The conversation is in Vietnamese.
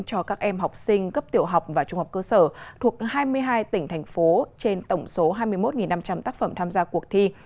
cho các em học sinh cấp tiểu học và trung học cơ sở thuộc hai mươi hai tỉnh thành phố trên tổng số hai mươi một năm trăm linh tác phẩm tham gia cuộc thi